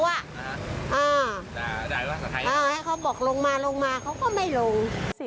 ด่าได้หรือเปล่าให้เขาบอกลงมาเขาก็ไม่ลง